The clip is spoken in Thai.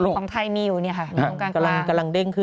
อันนี้ของไทยมีอยู่นี่ค่ะตรงการกราฟ